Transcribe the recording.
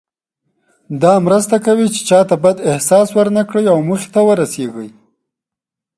دا مرسته کوي چې چاته بد احساس ورنه کړئ او موخې ته ورسیږئ.